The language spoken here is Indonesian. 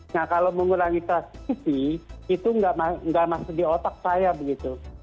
nah kalau mengurangi transmisi itu nggak masuk di otak saya begitu